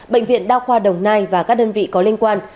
bệnh viện đa khoa đồng nai và các đơn vị có liên quan